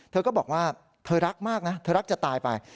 เธอก็บอกว่าเธอรักมากนะเธอรักจะตายไป